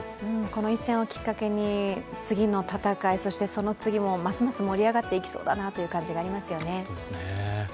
この一戦をきっかけに次の戦い、そしてその次もますます盛り上がっていきそうだなという感じがありますね。